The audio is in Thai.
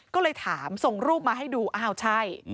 ก็เลยถามส่งรูปมาให้ดูอ้าวใช่